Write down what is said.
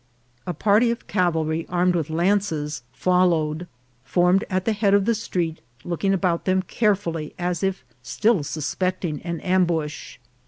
A party of cavalry armed with lances follow ed, formed at the head of the street, looking about them carefully as if still suspecting an ambush.